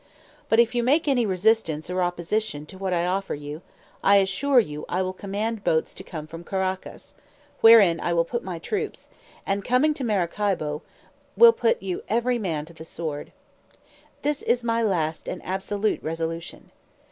But if you make any resistance or opposition to what I offer you, I assure you I will command boats to come from Caraccas, wherein I will put my troops, and coming to Maracaibo, will put you every man to the sword. This is my last and absolute resolution.